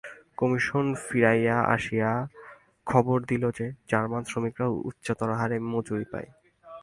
Commission ফিরিয়া আসিয়া খবর দিল যে, জার্মান শ্রমিকরা উচ্চতর হারে মজুরী পায়।